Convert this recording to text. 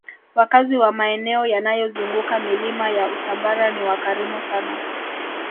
wakazi wa maeneo yanayozunguka milima ya usambara ni wakarimu sana